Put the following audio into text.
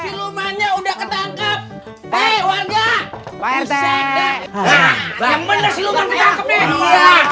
silumannya udah ketangkep eh warga